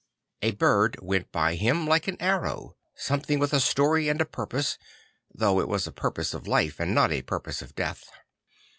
A bird went by him like an arrow; something with a story and a purpose, though it was a purpose of life and not a purpose of death.